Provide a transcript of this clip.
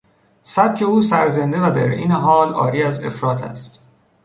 سبک او سرزنده و درعین حال عاری از افراط است.